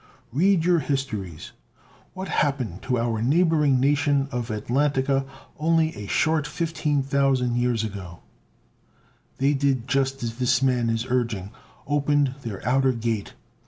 Read your histories. What happened to our neighboring nation of Atlantica only a short 15,000 years ago? They did just as this man is urging opened their outer gate.